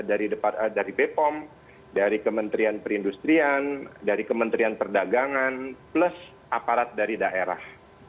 dari bepom dari kementerian perindustrian dari kementerian perdagangan plus aparat dari daerah